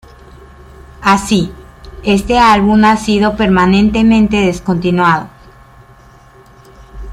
Así, este álbum ha sido permanentemente descontinuado.